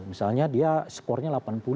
misalnya dia skornya delapan puluh